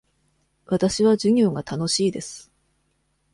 わたしは授業が楽しいです。